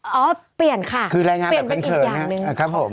เปลี่ยนค่ะเปลี่ยนเป็นอีกอย่างนึงคือแรงงามกับเกรงเกินครับผม